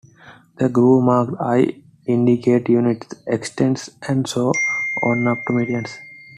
The groove marked I indicates units, X tens, and so on up to millions.